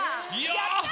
やったー。